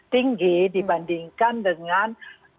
tinggi dibandingkan dengan